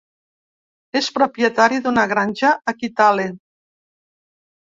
És propietari d'una granja a Kitale.